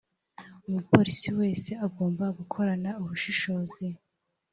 umupolisi wese agomba gukorana ubushishozi